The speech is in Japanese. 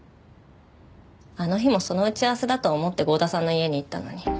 あの日もその打ち合わせだと思って郷田さんの家に行ったのに。